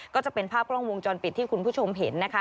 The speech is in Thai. ก็จะเป็นภาพกล้องวงจรปิดที่คุณผู้ชมเห็นนะคะ